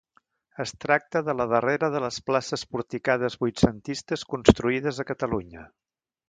Es tracta de la darrera de les places porticades vuitcentistes construïdes a Catalunya.